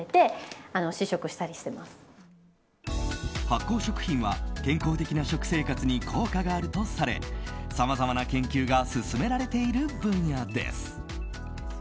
発酵食品は健康的な食生活に効果があるとされさまざまな研究が進められている分野です。